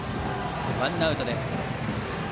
ワンアウトです。